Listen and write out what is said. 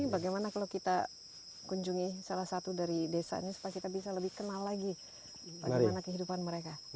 bagaimana kalau kita kunjungi salah satu dari desa ini supaya kita bisa lebih kenal lagi bagaimana kehidupan mereka